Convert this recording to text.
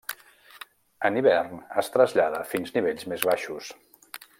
En hivern es trasllada fins nivells més baixos.